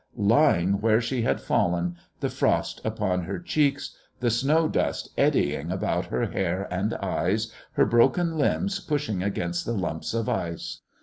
lying where she had fallen, the frost upon her cheeks, the snow dust eddying about her hair and eyes, her broken limbs pushing against the lumps of ice.